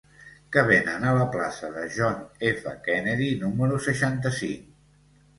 Què venen a la plaça de John F. Kennedy número seixanta-cinc?